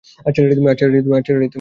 আচ্ছা, রেডি তুমি?